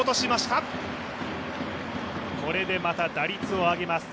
これでまた打率を上げます。